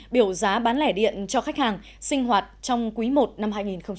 biểu giá bán lẻ điện cho khách hàng sinh hoạt trong quý i năm hai nghìn hai mươi bốn